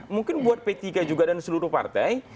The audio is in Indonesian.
mungkin buat p tiga juga dan seluruh partai